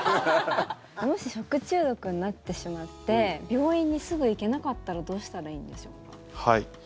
もし食中毒になってしまって病院にすぐ行けなかったらどうしたらいいんでしょう？